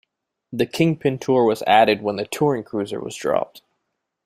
The Kingpin Tour was added when the Touring Cruiser was dropped.